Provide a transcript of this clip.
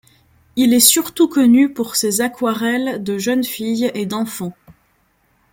Il est surtout connu pour ses aquarelles de jeunes filles et d'enfants.